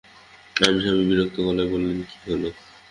আমার স্বামী বিরক্ত গলায় বল্লেন, কী হল?